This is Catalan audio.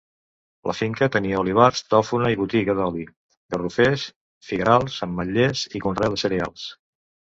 La finca tenia olivars, tafona i botiga d'oli; garrovers, figuerals, ametllers i conreu de cereals.